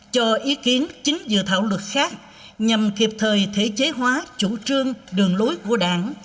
cho ý kiến chính dự thảo luật khác nhằm kịp thời thể chế hóa chủ trương đường lối của đảng